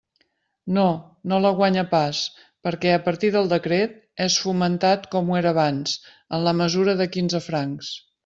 No, no la guanya pas; perquè, a partir del decret, és fomentat com ho era abans, en la mesura de quinze francs.